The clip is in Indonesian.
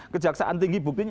kejaksaan tinggi bukin